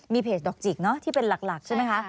มีเพจดอกจิกเนอะที่เป็นหลักใช่ไหมคะ